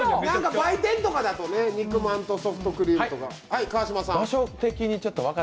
売店とかだと肉まんとかソフトクリームとか。